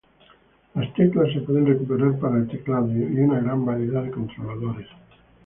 Las teclas se pueden recuperar para el teclado y una gran variedad de controladores.